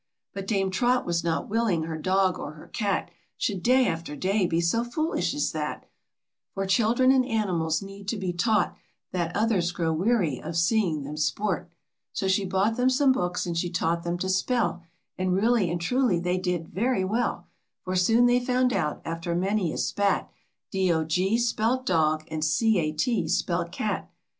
But Dame Trot was not willing her dog or her cat Should day after day be so foolish as that, For children and animals need to be taught That others grow weary of seeing them sport. So she bought them some books and she taught them to spell, And really and truly they did very well, For soon they found out, after many a spat, D O G spelt dog, and C A T spelt cat.